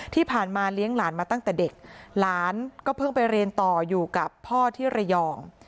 ที่ผ่านมาเลี้ยงหลานมาตั้งแต่เด็กหลานก็เพิ่งไปเรียนต่ออยู่กับพ่อที่ระยอง